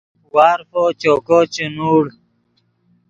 وارفو چوکو چے نوڑ